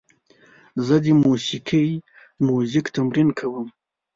زه د موسیقۍ میوزیک تمرین کوم.